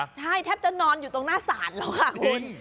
ใช่แทบจะนอนอยู่ตรงหน้าศาลแล้วค่ะคุณ